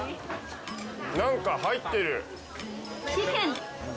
なんか入ってる。